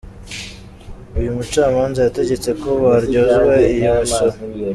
Uyu mucamanza yategetse ko baryozwa iyo misoro.